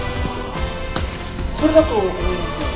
これだと思いますけど。